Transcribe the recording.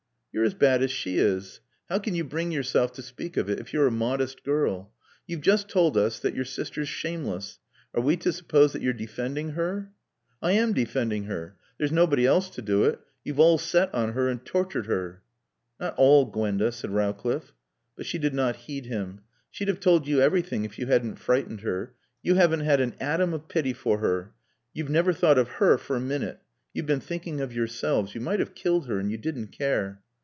"You're as bad as she is. How can you bring yourself to speak of it, if you're a modest girl? You've just told us that your sister's shameless. Are we to suppose that you're defending her?" "I am defending her. There's nobody else to do it. You've all set on her and tortured her " "Not all, Gwenda," said Rowcliffe. But she did not heed him. "She'd have told you everything if you hadn't frightened her. You haven't had an atom of pity for her. You've never thought of her for a minute. You've been thinking of yourselves. You might have killed her. And you didn't care."